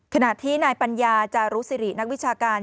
ขณะที่นายปัญญาจารุสิรินักวิชาการ